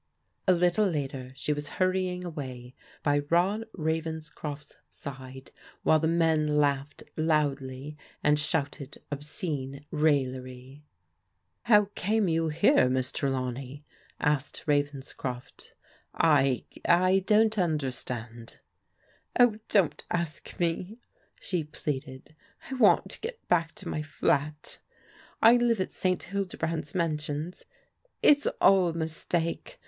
A little later she was hurrying away by Rod Ravens croft's side, while the men laughed loudly and shouted obscene raillery. THE NIGHT CLUB AFFAIR 241 " How came you here. Miss Trelawney ?" asked Ra venscroft. " I — I don't understand." " Oh, don't ask me !" she pleaded. " I want to get back to my flat. I live at St. Hildebrand's Mansions. It's all a mistake.